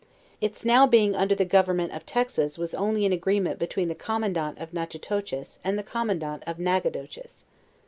It's now being under the government of Texas, was only an agreement between the commandant of Natchitoches and the commandant of Nacogdoches.